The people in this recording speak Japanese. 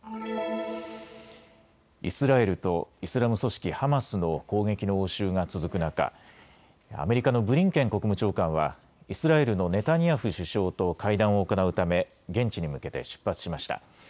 イスラエルとイスラム組織ハマスの攻撃の応酬が続く中、アメリカのブリンケン国務長官はイスラエルのネタニヤフ首相と会談を行うため現地に向けて出発しました。